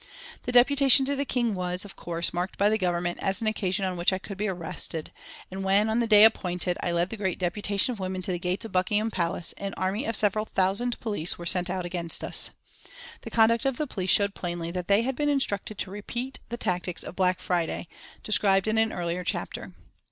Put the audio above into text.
The deputation to the King was, of course, marked by the Government as an occasion on which I could be arrested, and when, on the day appointed, I led the great deputation of women to the gates of Buckingham Palace, an army of several thousand police were sent out against us. The conduct of the police showed plainly that they had been instructed to repeat the tactics of Black Friday, described in an earlier chapter.